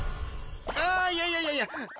あいやいやいや。